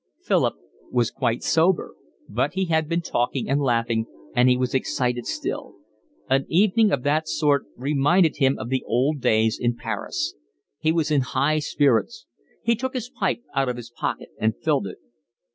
Philip was quite sober, but he had been talking and laughing, and he was excited still. An evening of that sort reminded him of the old days in Paris. He was in high spirits. He took his pipe out of his pocket and filled it.